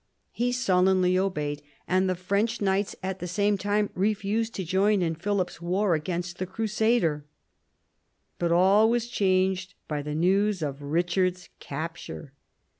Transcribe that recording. He sullenly obeyed, and the French knights at the same time refused to join in Philip's war against the crusader. But all was changed by the news of Richard's capture.